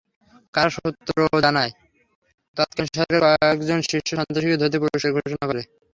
কারা সূত্র জানায়, তৎকালীন সরকার কয়েকজন শীর্ষ সন্ত্রাসীকে ধরতে পুরস্কার ঘোষণা করে।